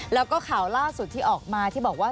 แล้วก็ข่าวล่าสุดที่ออกมาที่บอกว่า